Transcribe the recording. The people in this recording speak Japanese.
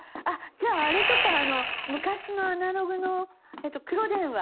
じゃああれとか昔のアナログの黒電話。